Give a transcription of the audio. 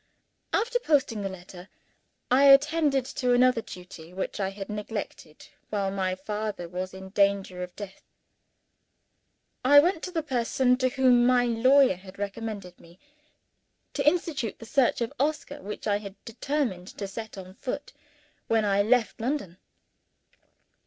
After posting the letter, I attended to another duty which I had neglected while my father was in danger of death. I went to the person to whom my lawyer had recommended me, to institute that search for Oscar which I had determined to set on foot when I left London.